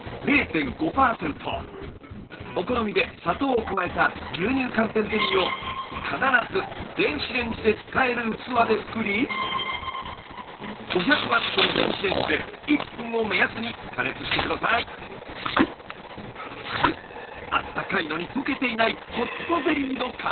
お好みで砂糖を加えた牛乳寒天ゼリーを必ず電子レンジで使える器で作り５００ワットの電子レンジであったかいのに溶けていないホットゼリーの完成です。